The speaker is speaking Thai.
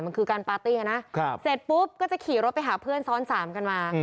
มันคือการปาร์ตี้นะเสร็จปุ๊บก็จะขี่รถไปหาเพื่อนซ้อน๓กันมา